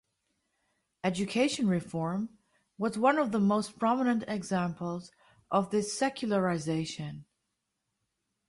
Education reform was one of the most prominent examples of this secularization.